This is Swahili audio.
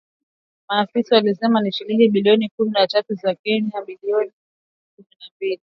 Maafisa walisema ni shilingi bilioni kumi na tatu za Kenya dola milioni Mia Moja Kimi na mbili